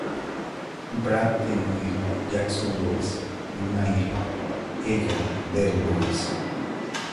Brad tiene un hijo, Jackson Lewis, y una hija, Ella Dale Lewis.